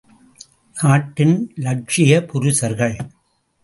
நாட்டின் லட்சிய புருஷர்கள்.